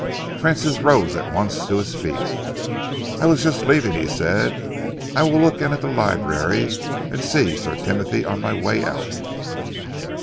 Francis rose at once to his feet. "I was just leaving," he said. "I will look in at the library and see Sir Timothy on my way out."